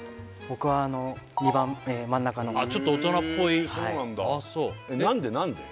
僕は２番真ん中のちょっと大人っぽいああそうなんでなんで？